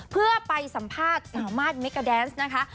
เพื่อไปสัมภาษณ์สามารถเมกาแดนส์นะคะ